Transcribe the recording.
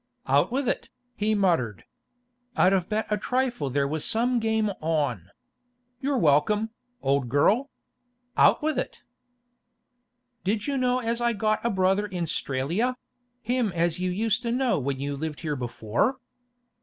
'Out with it!' he muttered. 'I'd have bet a trifle there was some game on. You're welcome, old girl. Out with it!' 'Did you know as I'd got a brother in 'Stralia—him as you used to know when you lived here before?